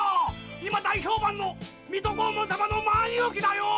今大評判の水戸黄門様の漫遊記だよ！